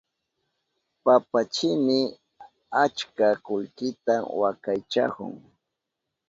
Papachini achka kullkita wakaychahun.